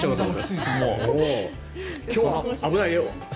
今日は危ないよ。